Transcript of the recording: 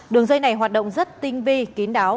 đường dây này hoạt động rất tinh vi kín đáo